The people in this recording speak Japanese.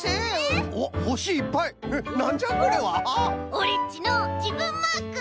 オレっちのじぶんマーク！